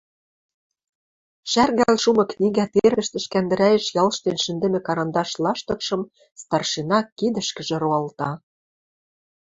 Шӓргӓл шумы книгӓ тервӹштӹш кӓндӹрӓэш ялштен шӹндӹмӹ карандаш лаштыкшым старшина кидӹшкӹжӹ роалта.